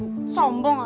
suruh suruh lindungi saya